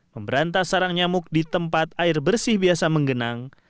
memberantas sarang nyamuk di tempat air bersih biasa menggenang